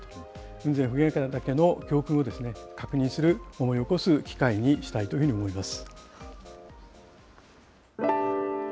雲仙・普賢岳の教訓を確認する、思い起こす機会にしたいというふうに思います。